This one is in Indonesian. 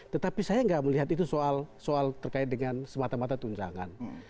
tetapi saya nggak melihat itu soal terkait dengan semata mata tunjangan